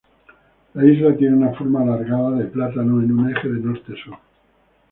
La Isla tiene una forma alargada de plátano en un eje de norte-sur.